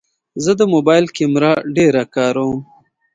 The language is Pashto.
زه د موبایل کیمره ډېره کاروم.